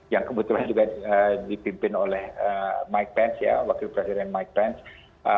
yang kebetulan juga dipimpin oleh mike pence ya wakil presiden mike pence